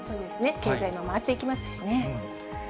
経済も回っていきますしね。